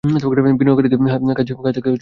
বিনিয়োগকারীদের কাছ থেকে কিছু সময় নিতে বল।